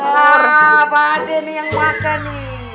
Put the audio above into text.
wah pak dek nih yang makan nih